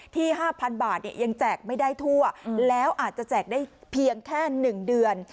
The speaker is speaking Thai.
๕๐๐บาทยังแจกไม่ได้ทั่วแล้วอาจจะแจกได้เพียงแค่๑เดือน